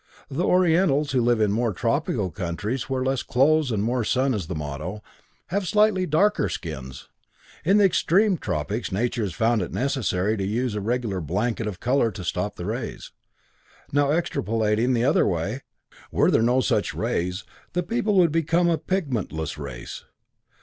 The Orientals, who live in more tropical countries, where less clothes and more sun is the motto, have slightly darker skins. In the extreme tropics Nature has found it necessary to use a regular blanket of color to stop the rays. Now extrapolating the other way, were there no such rays, the people would become a pigmentless race.